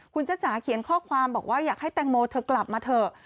คุณจ้าจ๋าเขียนข้อความบอกว่าอยากให้แตงโมเธอกลับมาเถอะ